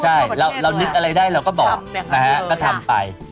ใช่เรานึกอะไรได้เราก็บอกนะฮะก็ทำไป